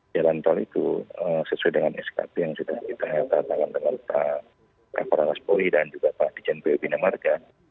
jalan tol itu sesuai dengan skp yang sudah kita nyatakan dengan pak raffaela spori dan juga pak dijan b b nemarga